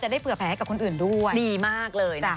จะได้เผื่อแผลกับคนอื่นด้วย